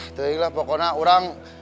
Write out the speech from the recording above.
itu lah pokoknya orang